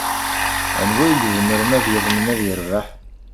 Anwa ay izemren ad yeḍmen ad yerbeḥ?